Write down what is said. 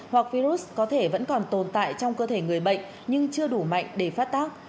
hoặc virus có thể vẫn còn tồn tại trong cơ thể người bệnh nhưng chưa đủ mạnh để phát tác